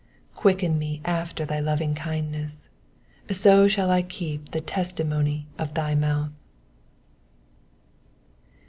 88 Quicken me after thy lovingkindness ; so shall I keep the testimony of thy mouth.